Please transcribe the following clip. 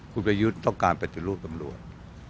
คุณประยุทธ์ต้องการปฏิรูปตำรวจ